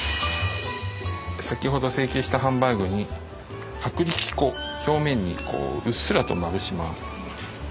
先ほど成形したハンバーグに薄力粉表面にうっすらとまぶします。